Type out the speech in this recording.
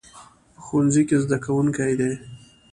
په ښوونځي کې زده کوونکي دي